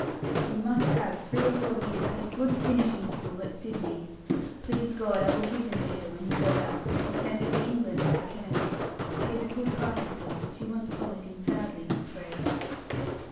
"She must have three or four years at a good finishing school at Sydney. Please God, I will give them to her when we go back or send her to England if I can. She is a good hearted girl, but she wants polishing sadly, I'm afraid."